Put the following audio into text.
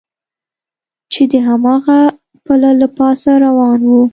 چې د هماغه پله له پاسه روان و.